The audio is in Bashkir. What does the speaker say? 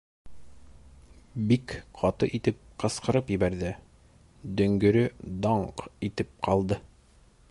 Бик ҡаты итеп ҡысҡырып ебәрҙе, дөңгөрө «даңҡ» итеп ҡалды.